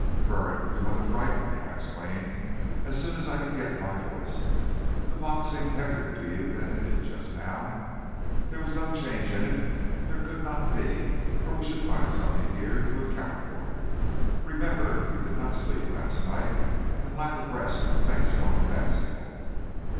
"Burritt, you want to frighten me," I exclaimed, as soon as I could get my voice. "The box seemed heavier to you than it did just now. There was no change in it, there could not be, or we should find something here to account for it. Remember you did not sleep last night, and lack of rest makes one fanciful."